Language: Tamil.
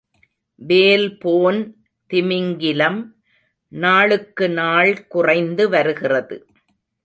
வேல்போன் திமிங்கிலம் நாளுக்கு நாள் குறைந்து வருகிறது.